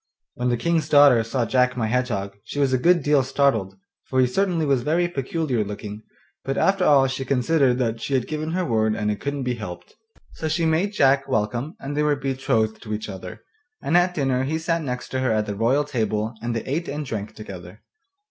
When the King's daughter saw Jack my Hedgehog, she was a good deal startled, for he certainly was very peculiar looking; but after all she considered that she had given her word and it couldn't be helped. So she made Jack welcome and they were betrothed to each other, and at dinner he sat next her at the royal table, and they ate and drank together.